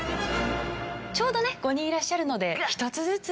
ちょうどね５人いらっしゃるので１つずつ。